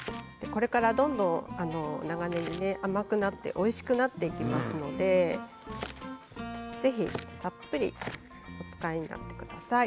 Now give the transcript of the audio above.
これからどんどん長ねぎ甘くなって、おいしくなっていきますのでぜひたっぷりお使いになってください。